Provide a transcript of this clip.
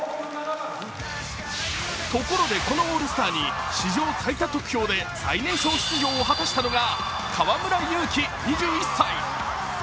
ところで、このオールスターに史上最多得票で最年少出場を果たしたのが河村勇輝２１歳。